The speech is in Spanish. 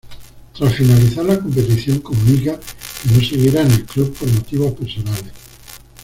Tras finalizar la competición, comunica que no seguirá en el club por motivos personales.